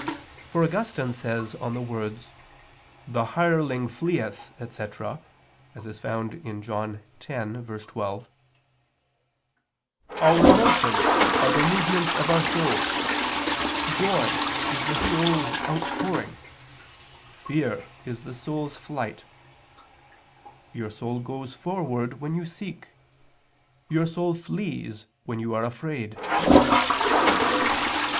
For Augustine says on the words "the hireling fleeth," etc. (John 10:12): "Our emotions are the movements of our soul; joy is the soul's outpouring; fear is the soul's flight; your soul goes forward when you seek; your soul flees, when you are afraid."